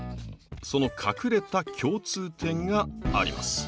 その隠れた共通点があります。